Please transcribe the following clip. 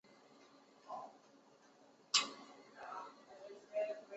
米迪和他的继任人教宗思维一世均在教宗才林任内担任神职人员。